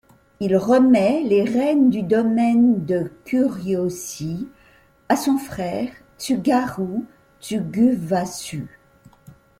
Il remet les rênes du domaine de Kuroishi à son frère, Tsugaru Tsuguyasu.